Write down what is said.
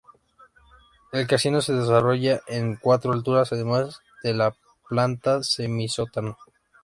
El casino se desarrolla en cuatro alturas además de la planta semisótano.